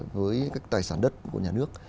với các tài sản đất của nhà nước